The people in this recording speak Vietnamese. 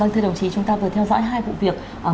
thưa đồng chí chúng ta vừa theo dõi hai vụ việc